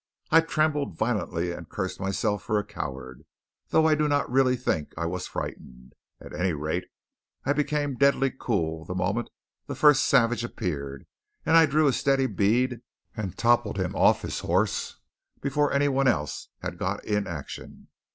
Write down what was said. I trembled violently, and cursed myself for a coward, though I really do not think I was frightened. At any rate, I became deadly cool the moment the first savage appeared; and I drew a steady bead and toppled him off his horse before any one else had got in action.